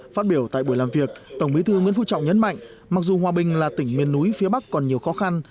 phát biểu tại buổi làm việc tổng bí thư nguyễn phú trọng nhấn mạnh mặc dù hòa bình là tỉnh miền núi phía bắc còn nhiều khó khăn